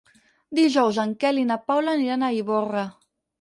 Dijous en Quel i na Paula aniran a Ivorra.